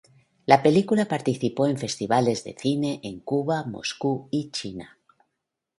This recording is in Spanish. La película participó en festivales de cine en Cuba, Moscú y China.